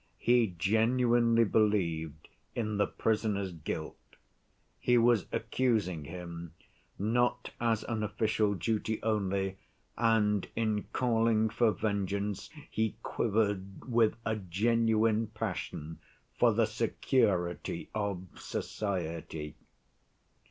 He genuinely believed in the prisoner's guilt; he was accusing him not as an official duty only, and in calling for vengeance he quivered with a genuine passion "for the security of society."